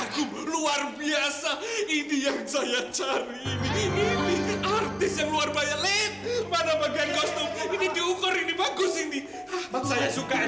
tampangnya ini yang saya cari